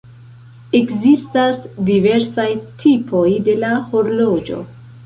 Ekzistas diversaj tipoj de la horloĝo.